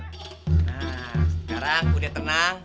nah sekarang udah tenang